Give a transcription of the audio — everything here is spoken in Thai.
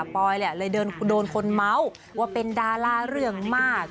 ปอยแหละเลยโดนคนเมาส์ว่าเป็นดาราเรื่องมาก